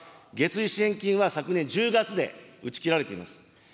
月次支援金は昨年１０月で打ち切られています。